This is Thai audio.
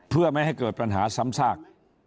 เพื่อไม่ให้เกิดปัญหาซ้ำซาก